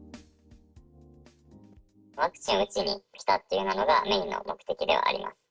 ワクチン打ちに来たというのがメインの目的ではあります。